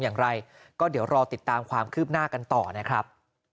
อย่างไรก็เดี๋ยวรอติดตามความคืบหน้ากันต่อนะครับ